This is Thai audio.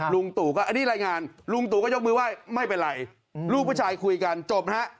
ลุงตู่ก็อันนี้รายงานลุงตู่ก็ยกมือไหว้ไม่เป็นไรลูกผู้ชายคุยกันจบฮะ